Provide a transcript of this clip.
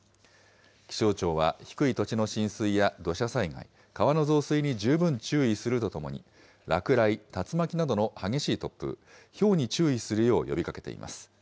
気象庁は低い土地の浸水や土砂災害、川の増水に十分注意するとともに、落雷、竜巻などの激しい突風、ひょうに注意するよう呼びかけています。